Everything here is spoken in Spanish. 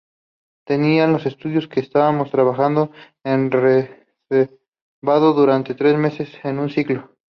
Tenían los estudios que estábamos trabajando en reservado durante tres meses, en un ciclo.